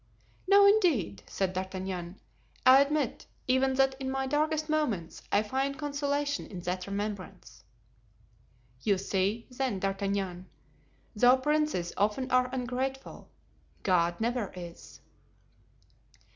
"No, indeed," said D'Artagnan; "I admit even that in my darkest moments I find consolation in that remembrance." "You see, then, D'Artagnan, though princes often are ungrateful, God never is."